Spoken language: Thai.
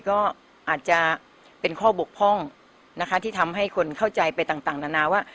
ก็อาจจะเป็นข้อบกพร่องนะคะที่ทำให้คนเข้าใจไปต่างนานาว่า